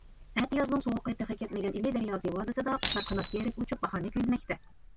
ئەتىيازنىڭ سوغۇقى تېخى كەتمىگەن ئىلى دەرياسى ۋادىسىدا، قۇشلار قانات كېرىپ ئۇچۇپ، باھارنى كۈيلىمەكتە.